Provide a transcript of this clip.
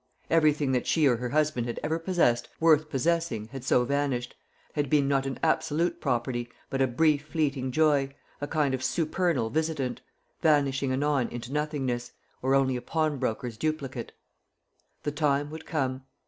Everything that she or her husband had ever possessed worth possessing had so vanished had been not an absolute property, but a brief fleeting joy, a kind of supernal visitant, vanishing anon into nothingness, or only a pawnbroker's duplicate. The time would come.